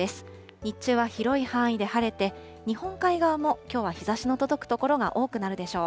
日中は広い範囲で晴れて、日本海側もきょうは日ざしの届く所が多くなるでしょう。